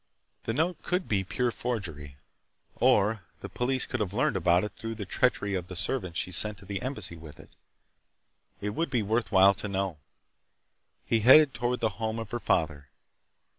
The note could be pure forgery, or the police could have learned about it through the treachery of the servant she sent to the Embassy with it. It would be worthwhile to know. He headed toward the home of her father.